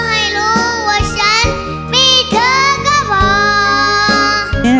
ให้รู้ว่าฉันมีเธอก็บอก